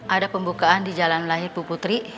ada pembukaan di jalan lahir bu putri